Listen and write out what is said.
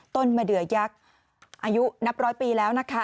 ต้นมะเดือยักษ์อายุนับร้อยปีแล้วนะคะ